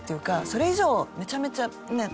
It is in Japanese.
それ以上めちゃめちゃね。